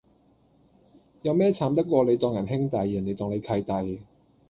有咩慘得過你當人兄弟,人地當你契弟